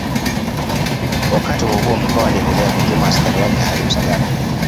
Wakati huohuo Mkwawa aliendelea kutuma askari wake hadi Usagara